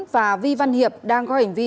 và vi văn hiệp đang có hành vi